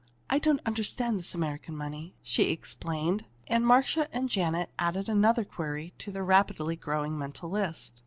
I don't understand this American money," she explained. And Marcia and Janet added another query to their rapidly growing mental list.